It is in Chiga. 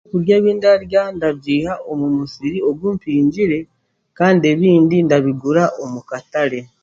Ebyokurya ebindarya ndabiiha omu musiri ogu mpingire kandi ebindi ndabigura omu katare